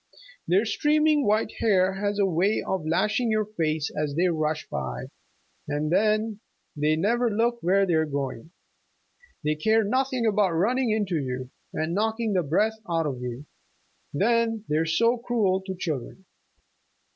Their streaming white hair has a way of lashing your face as they rush by, and then they never look where they're going. They care nothing about running into you and knocking the breath out of you. Then, they're so cruel to children!"